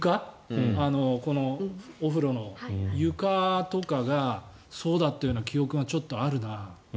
お風呂の床とかがそうだったような記憶がちょっとあるな。